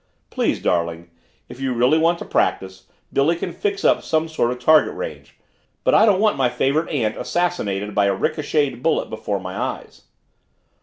"Please, darling, if you really want to practice, Billy can fix up some sort of target range but I don't want my favorite aunt assassinated by a ricocheted bullet before my eyes!"